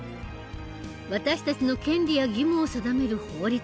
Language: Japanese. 私たちの権利や義務を定める法律。